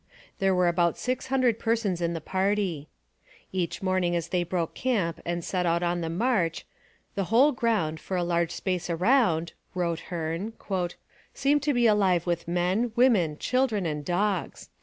There were about six hundred persons in the party. Each morning as they broke camp and set out on the march 'the whole ground for a large space around,' wrote Hearne, 'seemed to be alive with men, women, children, and dogs.'